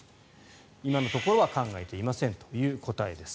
今のところは考えていませんという答えです。